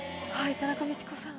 田中道子さん